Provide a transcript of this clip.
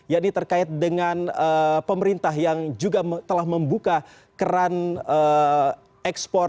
ya ini terkait dengan pemerintah yang juga telah membuka keran ekspor